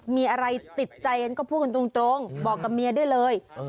มีอะไรติดใจกันก็พูดกันตรงบอกกับเมียได้เลย